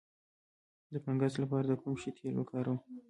د فنګس لپاره د کوم شي تېل وکاروم؟